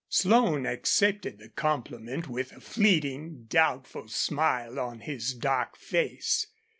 Slone accepted the compliment with a fleeting, doubtful smile on his dark face.